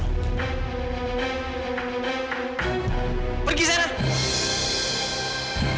aku pegar gazines lu lagi